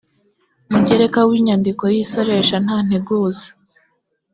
mugereka w inyandiko y isoresha nta nteguza